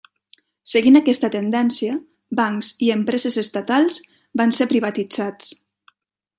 Seguint aquesta tendència, bancs i empreses estatals van ser privatitzats.